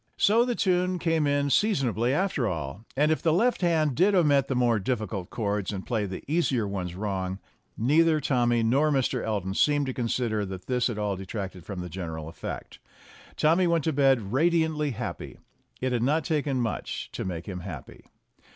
So the tune came in seasonably after all, and if the left hand did omit the more difficult chords and play the easier ones wrong, neither Tommy nor Mr. Elton seemed to consider that this at all detracted from the general effect. Tommy went to bed radiantly happy. It had not taken much to make him happy.